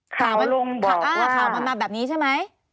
ข่าวมันมาแบบนี้ใช่ไหม